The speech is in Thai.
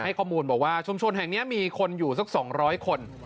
ข้อมูลบอกว่าชุมชนแห่งนี้มีคนอยู่สัก๒๐๐คน